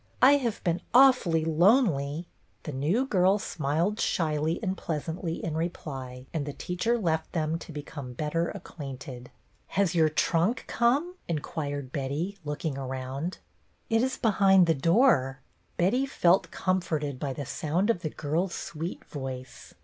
" I have been awfully lonely." The new girl smiled shyly and pleasantly in reply, and the teacher left them to become better acquainted. A ROOMMATE 79 " Has your trunk come ?" inquired Betty, looking around. " It is behind the door." Betty felt com forted by the sound of the girl's sweet voice.